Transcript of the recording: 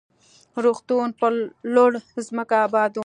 روغتون پر لوړه ځمکه اباد و.